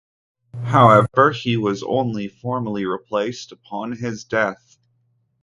However, he was only formally replaced upon his death.